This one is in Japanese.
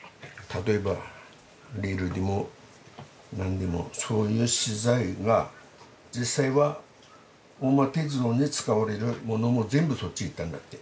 例えばレールでも何でもそういう資材が実際は大間鉄道に使われるものも全部そっち行ったんだって。